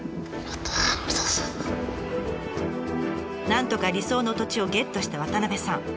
なんとか理想の土地をゲットした渡部さん。